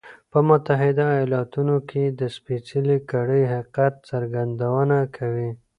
په متحده ایالتونو کې د سپېڅلې کړۍ حقیقت څرګندونه کوي.